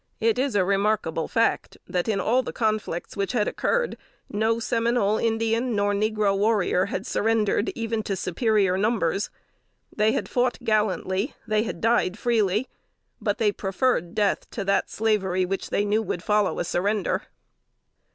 It is a remarkable fact, that in all the conflicts which had occurred, no Seminole Indian nor negro warrior had surrendered, even to superior numbers. They had fought gallantly, they had died freely; but they preferred death to that slavery which they knew would follow a surrender.